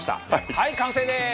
はい、完成です！